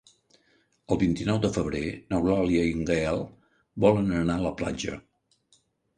El vint-i-nou de febrer n'Eulàlia i en Gaël volen anar a la platja.